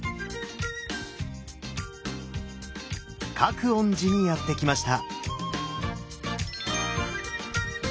覚園寺にやって来ました。